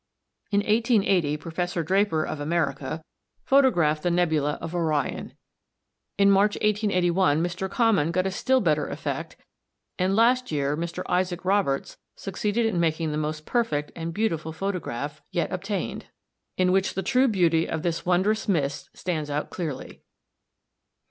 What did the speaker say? In 1880 Professor Draper of America photographed the nebula of Orion, in March 1881 Mr. Common got a still better effect, and last year Mr. Isaac Roberts succeeded in taking the most perfect and beautiful photograph yet obtained, in which the true beauty of this wonderful mist stands out clearly.